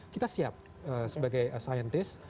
kita siap sebagai sains